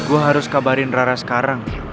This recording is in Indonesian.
gue harus kabarin rara sekarang